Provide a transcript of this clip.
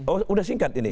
oh udah singkat ini